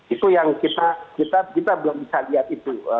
itu yang kita belum bisa lihat itu